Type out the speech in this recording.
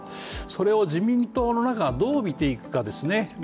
それを自民党の中がどう見ていくかですね。